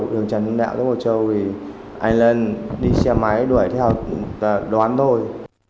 đường trần đăng đạo dốc hồ châu thì anh lân đi xe máy đuổi theo và đoán tôi